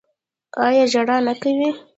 ایا ژړا نه کوي؟